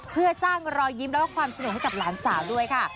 เพื่อสร้างรอยยิ้มแล้วก็ความสนุกให้กับหลานสาวด้วยค่ะ